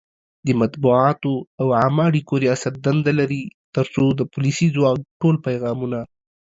د مطبوعاتو او عامه اړیکو ریاست دنده لري ترڅو د پولیسي ځواک ټول پیغامونه